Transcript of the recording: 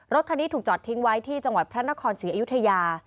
คันนี้ถูกจอดทิ้งไว้ที่จังหวัดพระนครศรีอยุธยา